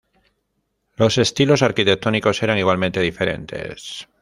Los estilos arquitectónicos eran igualmente diferentes.